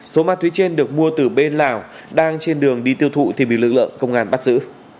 số ma túy trên được mua từ bên lào đang trên đường đi tiêu thụ thì bị lực lượng công an bắt giữ